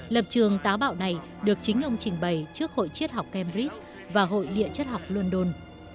lập trường táo bạo này được chính ông trình bày trước hội chết học cambridge và hội địa chất học london